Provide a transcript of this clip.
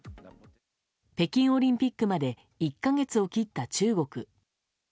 北京オリンピックまで１か月を切った中国。